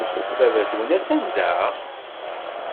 Baba-twen atan da?